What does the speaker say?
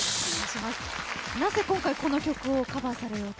なぜ今回この曲をカバーされようと？